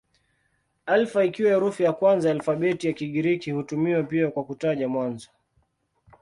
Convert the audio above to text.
Alfa ikiwa herufi ya kwanza ya alfabeti ya Kigiriki hutumiwa pia kwa kutaja mwanzo.